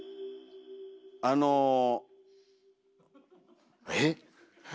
あのえっ？